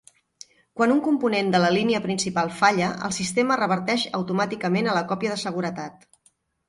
Quan un component de la línia principal falla, el sistema reverteix automàticament a la còpia de seguretat.